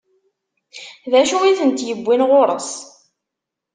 D acu i tent-iwwin ɣur-s?